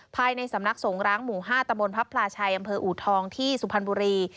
ภายในสำนักสงร้างหมู่๕ตมพชออูทองที่สุพรรณบุรี